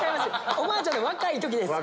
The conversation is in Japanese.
おばあちゃんの若い時です。